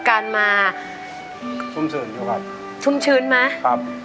เพลงที่๖นะครับ